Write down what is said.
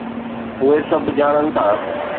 اهي سڀ ڄاڻن ٿا.